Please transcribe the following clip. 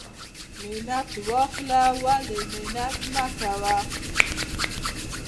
ـ منت واخله ولی منت مکوه.